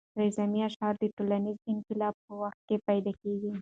رزمي اشعار د ټولنیز انقلاب په وخت کې پیدا کېږي.